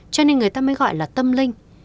cho nên người ta mới gọi là tâm linh